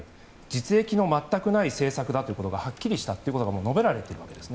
実益の全くない政策だということがはっきりしたと述べられています。